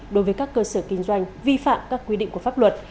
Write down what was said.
đối với các cơ sở kinh doanh vi phạm các quy định của pháp luật